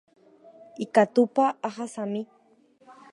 Ikatúpa ahasami